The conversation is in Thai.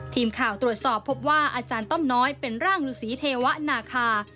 ทีมข่าวตรวจสอบพบว่าอาจารย์ต้อมน้อยเป็นร่างฤษีเทวะนาคา